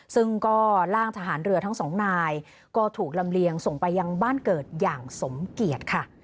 ซึ่งก็ร่างทหารเรือทั้งสองนายก็ถูกลำเลียงส่งไปยังบ้านเกิดอย่างสมเกียจค่ะ